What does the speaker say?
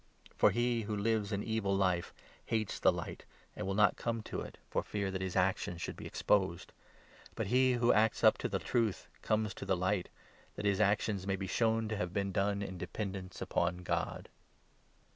For he who lives 20 an evil life hates the light, and will not come to it, for fear that his actions should be exposed ; but he who acts up to the 21 truth comes to the light, that his actions may be shown to have been done in dependence upon God.